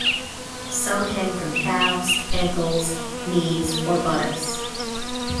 Some hang from calves, ankles, knees, or buttocks.